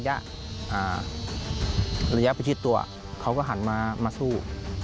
แล้วระหว่างระยะพฤชิตตัวเขาก็หันมาสู้